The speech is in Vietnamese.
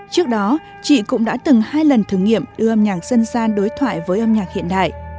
trước đó chị cũng đã từng hai lần thử nghiệm đưa âm nhạc dân gian đối thoại với âm nhạc hiện đại